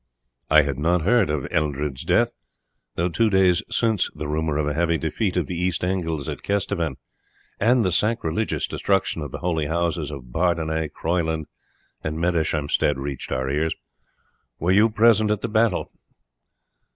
I had not heard of Eldred's death, though two days since the rumour of a heavy defeat of the East Angles at Kesteven, and the sacrilegious destruction of the holy houses of Bardenay, Croyland, and Medeshamsted reached our ears. Were you present at the battle?"